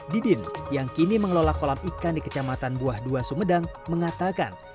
didin yang kini mengelola kolam ikan di kecamatan buah ii sumedang mengatakan